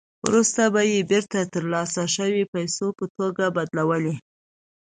وروسته به یې بېرته ترلاسه شوې پیسې په توکو بدلولې